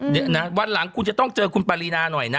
เดี๋ยวนะวันหลังคุณจะต้องเจอคุณปารีนาหน่อยนะ